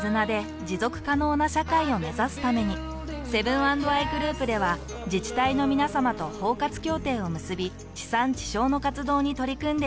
セブン＆アイグループでは自治体のみなさまと包括協定を結び地産地消の活動に取り組んでいます。